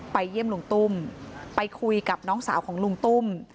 เยี่ยมลุงตุ้มไปคุยกับน้องสาวของลุงตุ้ม